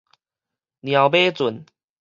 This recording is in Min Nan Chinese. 貓馬俊